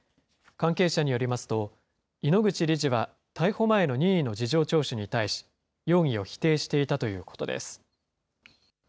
関係者によりますと、井ノ口理事は逮捕前の任意の事情聴取に対し、容疑を否定していたということです。